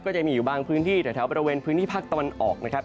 จะมีอยู่บางพื้นที่แถวบริเวณพื้นที่ภาคตะวันออกนะครับ